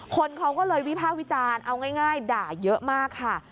คนเขาก็เลยวิภาควิจารณ์เอาง่ายด่าเยอะมากค่ะ